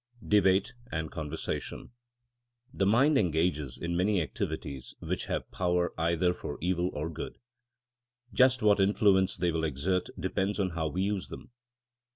VI DEBATE AND CONVERSATION THE mind engages in many activities which have power either for evil or good. Just what influence they will exert depends on how we use them.